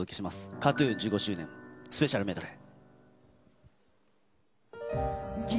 ＫＡＴーＴＵＮ１５周年スペシャルメドレー。